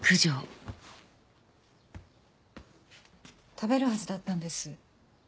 食べるはずだったんです。